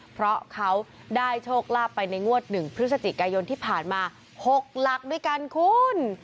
เพราะเขาได้โชคลาภไปในงวด๑พฤศจิกายนที่ผ่านมา๖หลักด้วยกันคุณ